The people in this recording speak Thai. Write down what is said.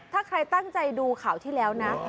ถ้าใครตั้งใจดูข่าวที่แล้วนะ